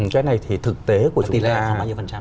cái này thì thực tế của chúng ta